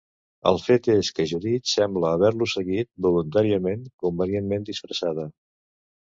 El fet és que Judit sembla haver-lo seguit voluntàriament, convenientment disfressada.